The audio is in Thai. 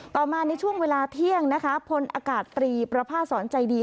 ต่อมาในช่วงเวลาเที่ยงนะคะพลอากาศตรีประพาทสอนใจดี